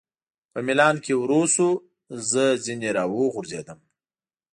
په مېلان کې ورو شو، زه ځنې را وغورځېدم.